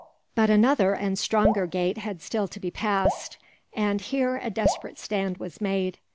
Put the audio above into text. But another and stronger gate had still to be passed, and here a desperate stand was made.